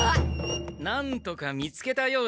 なんとか見つけたようだな。